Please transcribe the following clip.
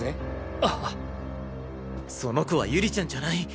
その子は有里ちゃんじゃない！